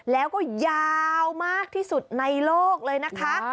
แล้วก็ยาวมากที่สุดในโลกเลยนะคะ